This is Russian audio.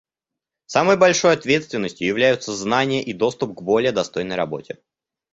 Самой большой ответственностью являются знания и доступ к более достойной работе.